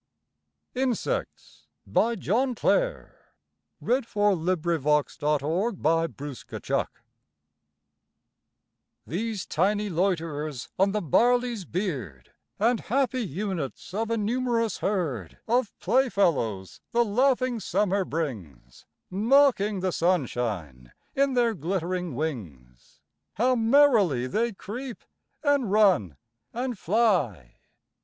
r to grey, Yet leaves him happy as a child at play. Insects These tiny loiterers on the barley's beard, And happy units of a numerous herd Of playfellows, the laughing Summer brings, Mocking the sunshine in their glittering wings, How merrily they creep, and run, and fly!